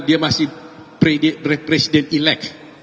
dia masih presiden elect